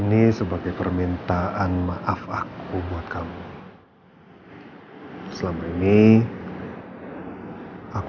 mas baik baiki article gue udah kapain dalam videonya ya